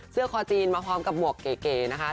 คอจีนมาพร้อมกับหมวกเก๋นะคะ